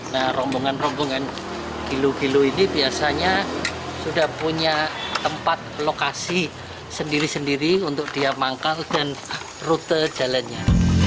nah rombongan rombongan kilo kilo ini biasanya sudah punya tempat lokasi sendiri sendiri untuk dia manggal dan rute jalannya